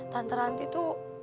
tante ranti tuh udah